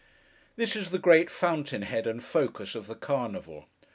This is the great fountain head and focus of the Carnival.